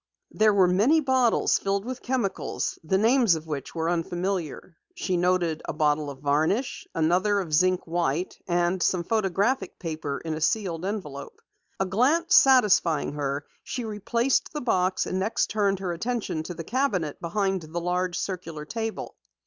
There were many bottles filled with chemicals, the names of which were unfamiliar. She noted a bottle of varnish, another of zinc white, and some photographic paper in a sealed envelope. A glance satisfying her, she replaced the box and next turned her attention to the cabinet behind the large circular table.